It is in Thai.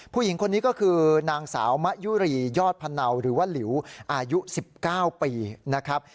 ผู้หญิงคนนี้ก็คือนางสาวมะยุรียอดพะเนาหรือว่าหลิวอายุ๑๙ปีนะครับ